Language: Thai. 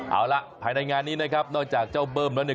เอาล่ะภายในงานนี้นะครับนอกจากเจ้าเบิ้มแล้วเนี่ย